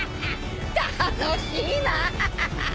楽しいなぁ！